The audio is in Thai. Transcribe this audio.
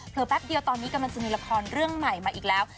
แป๊บเดียวตอนนี้กำลังจะมีละครเรื่องใหม่มาอีกแล้ว